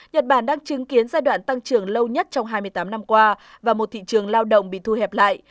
nhật bản đang chứng kiến giai đoạn tăng trưởng lâu nhất trong hai mươi tám năm qua và một thị trường lao động bị thu hẹp lại